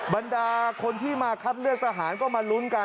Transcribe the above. บรรดาคนที่มาคัดเลือกทหารก็มาลุ้นกัน